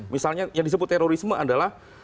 misalnya yang disebut terorisme adalah